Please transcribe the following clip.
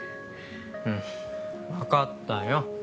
うん分かったよ。